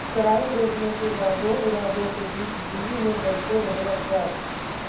crime रोकने के वादों-इरादों के बीच दिल्ली में बढ़ते रहे अपराध